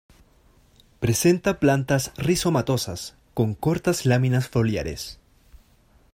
Presenta plantas rizomatosas, con cortas láminas foliares.